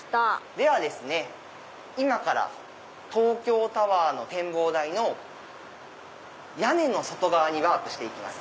では今から東京タワーの展望台の屋根の外側にワープして行きます。